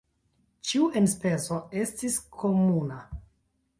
Ĉiu enspezo estis komuna.